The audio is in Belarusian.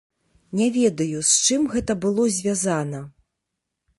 Не ведаю, з чым гэта было звязана.